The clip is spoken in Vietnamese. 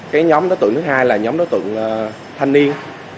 cái nhóm đối tượng thứ hai là nhóm đối tượng thanh niên